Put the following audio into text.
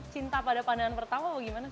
cinta pada pandangan pertama apa gimana sih